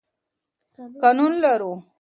قانون لرو.